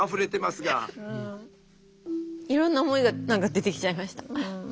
いろんな思いが何か出てきちゃいました。